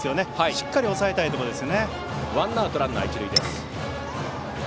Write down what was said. しっかり抑えたいところです。